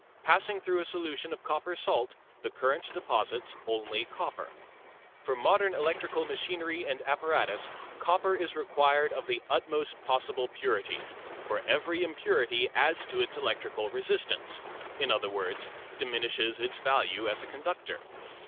Passing through a solution of copper salt, the current deposits only copper. For modern electrical machinery and apparatus copper is required of the utmost possible purity, for every impurity adds to its electrical resistance, in other words, diminishes its value as a conductor.